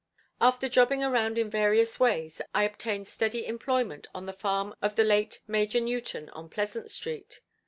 After jobbing around in various ways, I obtained steady employment on the farm of the late Major Newton on Pleasant Street.